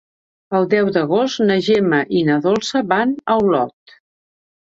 El deu d'agost na Gemma i na Dolça van a Olot.